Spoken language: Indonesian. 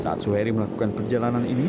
saat suheri melakukan perjalanan ini